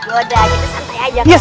yaudah kita santai aja